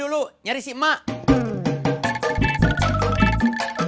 rasanya ga jangan ada